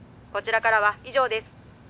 「こちらからは以上です」